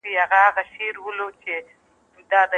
زه د ټکنالوژۍ له لارې کتابونه لولم.